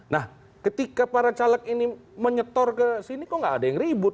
nah ketika para caleg ini menyetor ke sini kok nggak ada yang ribut